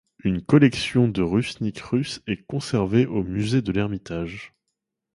Une collection de rushnyk russe est conservée au Musée de l'Ermitage.